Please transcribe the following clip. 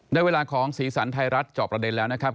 ได้เวลาของสีสันไทยรัฐจอบประเด็นแล้วนะครับ